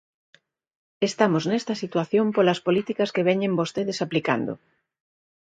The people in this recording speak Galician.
Estamos nesta situación polas políticas que veñen vostedes aplicando.